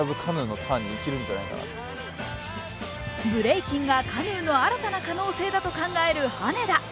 ブレイキンが新たな可能性だと考える羽根田。